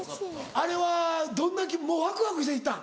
あれはどんなワクワクして行ったん？